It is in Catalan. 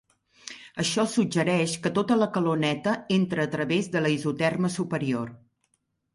Això suggereix que tota la calor neta entra a través de la isoterma superior.